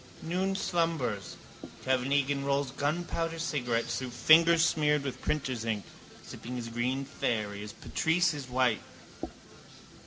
Noon slumbers. Kevin Egan rolls gunpowder cigarettes through fingers smeared with printer's ink, sipping his green fairy as Patrice his white.